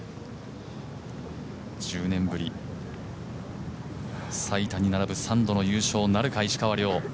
１０年ぶり、最多に並ぶ３度の優勝なるか、石川遼。